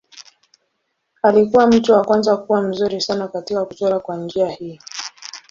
Alikuwa mtu wa kwanza kuwa mzuri sana katika kuchora kwa njia hii.